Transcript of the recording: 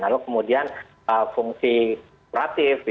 lalu kemudian fungsi operatif